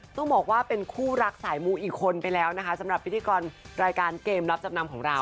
ต้องบอกว่าเป็นคู่รักสายมูอีกคนไปแล้วนะคะสำหรับพิธีกรรายการเกมรับจำนำของเรา